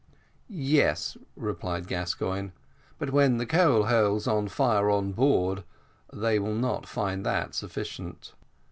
"Yes," replied Gascoigne; "but when the coal hole's on fire on board, they will not find that sufficient."